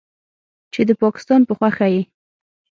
چې د پکستان په خوښه یې